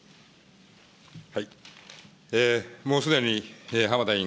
もうすでに浜田委員